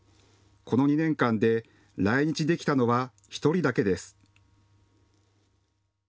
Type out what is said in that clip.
この２年間で来日できたのは１人だけです。